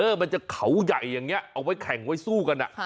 มันจะเขาใหญ่อย่างนี้เอาไว้แข่งไว้สู้กัน